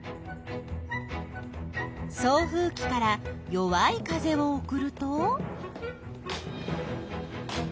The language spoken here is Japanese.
送風きから弱い風を送ると？